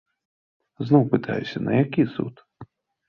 Зноў пытаюся, на які суд?